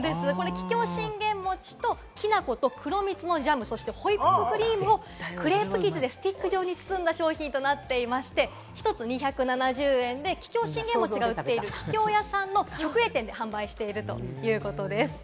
桔梗信玄餅ときな粉と黒蜜のジャム、そしてホイップクリームをクレープ生地でスティック状に包んだ商品となっていまして、１つ２７０円で桔梗信玄餅が売っている桔梗屋さんの直営店で販売しているということです。